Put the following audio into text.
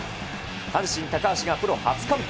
阪神、高橋がプロ初完封。